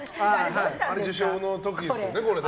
あれ、受賞の時ですよね。